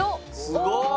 すごーい！